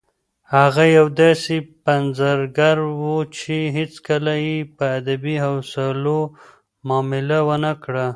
هغه یو داسې پنځګر و چې هیڅکله یې په ادبي اصولو معامله ونه کړه.